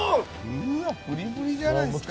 うわっプリプリじゃないですか。